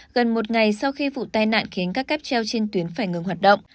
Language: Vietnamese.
gần một ngày sau khi vụ tai nạn khiến các cáp treo trên tuyến phải ngừng hoạt động